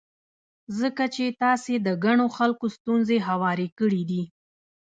ځکه چې تاسې د ګڼو خلکو ستونزې هوارې کړې دي.